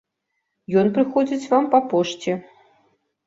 Ён прыходзіць вам па пошце.